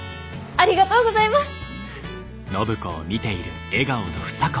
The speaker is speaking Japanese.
ありがとうございます！